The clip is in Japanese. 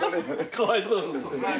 かわいそう。